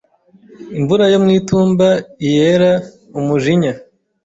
imvura yo mwitumba iyera umujinya